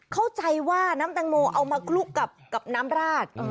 เข้าใจว่าน้ำแตงโมเอามาคลุกกับน้ำราด